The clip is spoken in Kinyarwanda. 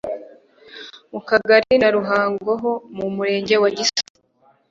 mu Kagali ka Ruhango ho mu Murenge wa Gisozi